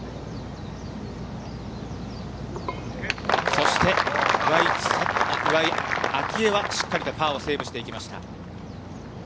そして、岩井明愛はしっかりとパーをセーブしていきました。